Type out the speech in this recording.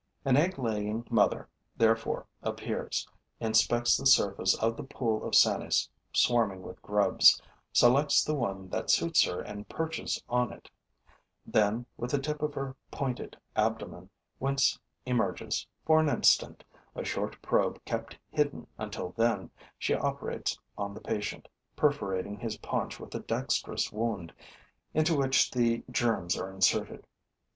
An egg laying mother, therefore, appears, inspects the surface of the pool of sanies swarming with grubs, selects the one that suits her and perches on it; then, with the tip of her pointed abdomen, whence emerges, for an instant, a short probe kept hidden until then, she operates on the patient, perforating his paunch with a dexterous wound into which the germs are inserted.